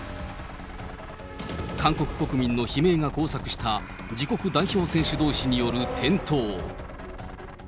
韓国国民の悲鳴が交錯した自国代表選手どうしによる転倒。